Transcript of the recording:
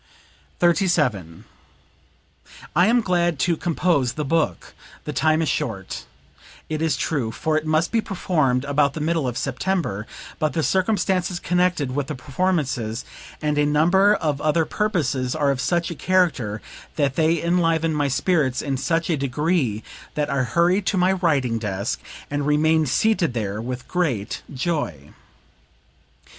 37. "I am glad to compose the book. The time is short, it is true, for it must be performed about the middle of September; but the circumstances connected with the performances, and a number of other purposes, are of such a character that they enliven my spirits in such a degree that I hurry to my writing desk and remain seated there with great joy."